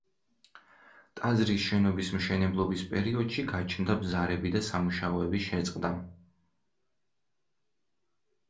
ტაძრის შენობის მშენებლობის პერიოდში გაჩნდა ბზარები და სამუშაოები შეწყდა.